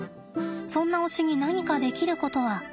そんな推しに何かできることは。